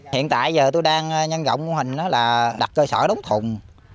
hiện tại giờ tôi đang nhân gọng hình là đặt cơ sở đóng thùng